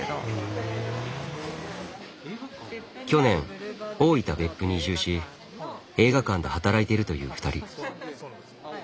去年大分・別府に移住し映画館で働いているという２人。